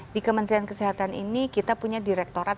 di kementerian kesehatan ini kita punya direktorat